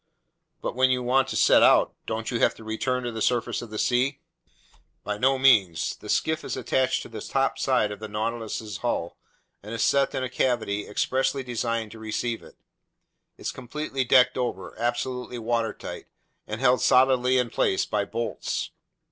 "But when you want to set out, don't you have to return to the surface of the sea?" "By no means. The skiff is attached to the topside of the Nautilus's hull and is set in a cavity expressly designed to receive it. It's completely decked over, absolutely watertight, and held solidly in place by bolts.